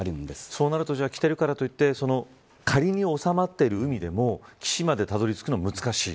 そうすると着ているからといって仮に収まっている海でも岸までたどり着くのは難しい。